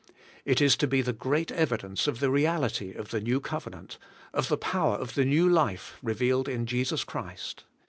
It is to be the great evidence of the reality of the New Covenant, of the power of the new life revealed in Jesus Christ.